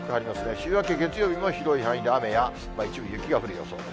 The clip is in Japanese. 週明け月曜日も広い範囲で雨や、一部雪が降る予想です。